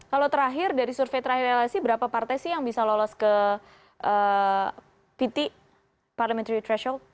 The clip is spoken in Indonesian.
kalau terakhir dari survei terakhir lsi berapa partai sih yang bisa lolos ke pt parliamentary threshold